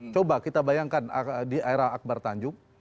coba kita bayangkan di era akbar tanjung